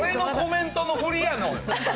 今からやし、俺のコメントの振りやの。